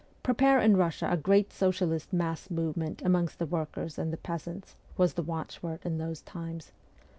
' Prepare in Eussia a great socialist mass movement amongst the workers and the peasants,' was the watchword in those times.